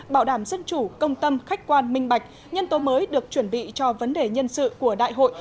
bảo đảm dân chủ công tâm khách quan minh bạch nhân tố mới được chuẩn bị cho vấn đề nhân sự của đại hội